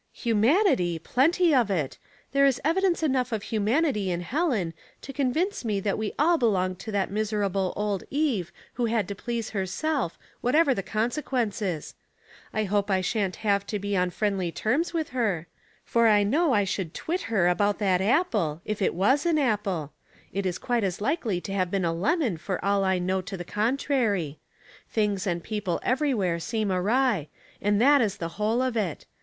" Humanity ! plenty of it. There is evidence enough of humanity in Helen to convince me that we all belong to that miserable old Eve who had to please herself, whatever the conse quences. I hope I shan't have to be on friendly terms with her, for I know I should twit her about that apple, if it was an apple ; it is quite as likely to have been a lemon for all I know to the contrary. Things and people everywhere seem awry, and that is the whole of it.